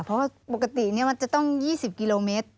เพราะว่าปกติมันจะต้อง๒๐กิโลเมตร